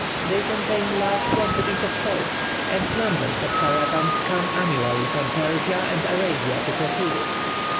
They contain large quantities of salt, and numbers of caravans come annually from Persia and Arabia to procure it.